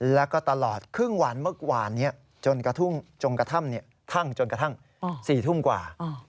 แล้วก็ตลอดครึ่งวันเมืองหวานนี้จนกระท่ำ๔ทุ่มกว่า